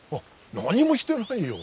何もしてないよ。